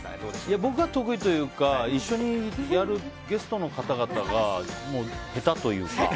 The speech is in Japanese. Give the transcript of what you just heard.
僕は得意というか一緒にやるゲストの方々がへたというか。